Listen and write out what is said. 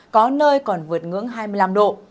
có nơi còn vượt ngưỡng hai mươi năm độ